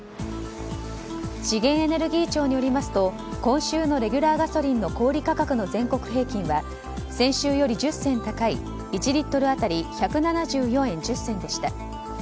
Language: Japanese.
資源エネルギー庁によりますと今週のレギュラーガソリンの小売価格の全国平均は先週より１０銭高い１リットル当たり１７４円１０銭でした。